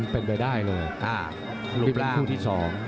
เป็นไปได้เลยอ่ารูปร่างเป็นคู่ที่สอง